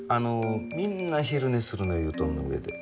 みんな昼寝するの油団の上で。